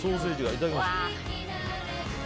いただきます。